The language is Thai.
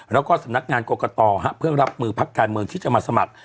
แล้วก็สำนักงานกรกตเพื่อรับมือพักการเมืองที่จะมาสมัคร